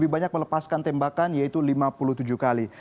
lebih banyak melepaskan tembakan yaitu lima puluh tujuh kali